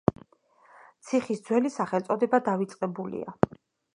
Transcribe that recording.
ციხის ძველი სახელწოდება დავიწყებულია.